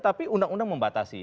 tapi undang undang membatasi